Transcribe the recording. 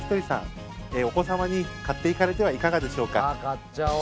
買っちゃお。